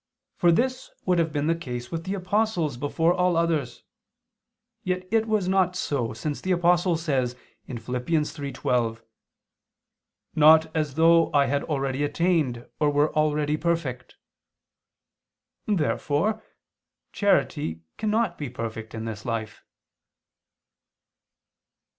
For this would have been the case with the apostles before all others. Yet it was not so, since the Apostle says (Phil. 3:12): "Not as though I had already attained, or were already perfect." Therefore charity cannot be perfect in this life.